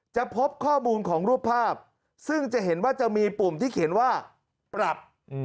จะพบข้อมูลของรูปภาพซึ่งจะเห็นว่าจะมีปุ่มที่เขียนว่าปรับ